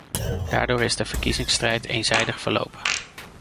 Daardoor is de verkiezingsstrijd eenzijdig verlopen.